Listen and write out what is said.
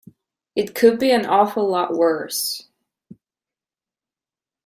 It could be an awful lot worse.